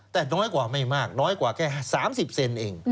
แต่น้อยกว่าไม่มากน้อยกว่าแค่๓๐เซนเอง